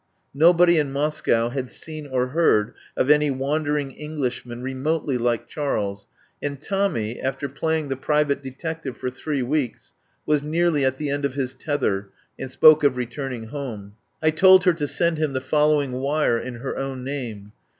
No body in Moscow had seen or heard of any wandering Englishman remotely like Charles, and Tommy, after playing the private de tective for three weeks, was nearly at the end of his tether and spoke of returning home. I told her to send him the following wire in her own name.